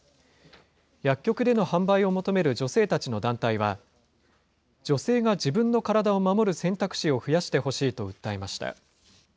薬局での販売を求める女性たちの団体は、女性が自分の体を守る選択肢を増やしてほしいと訴えました。